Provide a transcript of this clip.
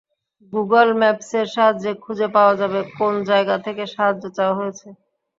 Google ম্যাপসের সাহায্যে খুঁজে পাওয়া যাবে কোন জায়গা থেকে সাহায্য চাওয়া হয়েছে।